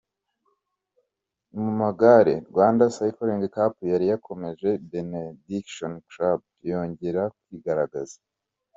Mu magare, Rwanda Cycling Cup yari yakomeje, Benediction Club yongera kwigaragaza.